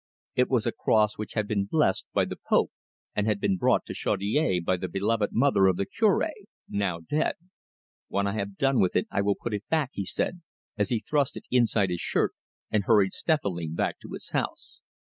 It was a cross which had been blessed by the Pope, and had been brought to Chaudiere by the beloved mother of the Cure, now dead. "When I have done with it I will put it back," he said, as he thrust it inside his shirt, and hurried stealthily back to his house.